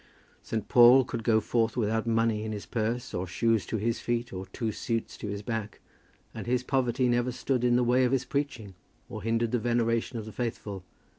St. Paul could go forth without money in his purse or shoes to his feet or two suits to his back, and his poverty never stood in the way of his preaching, or hindered the veneration of the faithful.